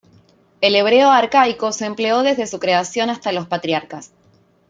El hebreo arcaico se empleó desde su creación hasta los patriarcas.